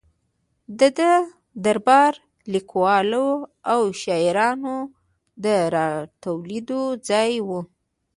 د ده دربار د لیکوالو او شاعرانو د را ټولېدو ځای و.